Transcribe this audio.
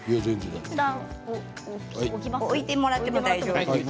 いったん置いてもらっても大丈夫です。